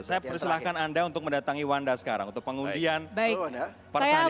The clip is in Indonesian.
saya persilahkan anda untuk mendatangi wanda sekarang untuk pengundian pertanyaan